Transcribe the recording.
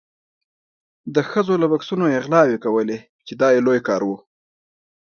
د ښځو له بکسونو یې غلاوې کولې چې دا یې لوی کار و.